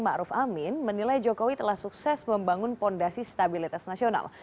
⁇ ruf amin menilai jokowi telah sukses membangun fondasi stabilitas nasional